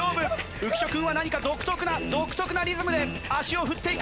浮所君は何か独特な独特なリズムで足を振っていく。